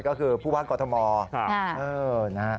ก็คือผู้พักกรทมค่ะ